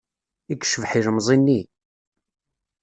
I yecbeḥ ilemẓi-nni!